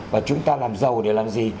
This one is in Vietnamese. và chúng ta làm giàu để làm gì